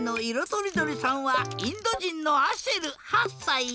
とりどりさんはインドじんのアシェル８さい。